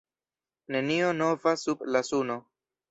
Nenio nova sub la suno.